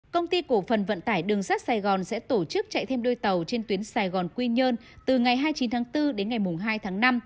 công ty cổ phần vận tải đường sắt sài gòn sẽ tổ chức chạy thêm đôi tàu trên tuyến sài gòn quy nhơn từ ngày hai mươi chín tháng bốn đến ngày hai tháng năm